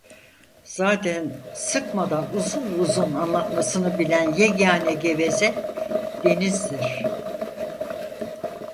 Zaten sıkmadan uzun uzun anlatmasını bilen yegâne geveze, denizdir.